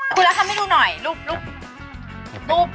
คุณละทำให้ดูหน่อยลูก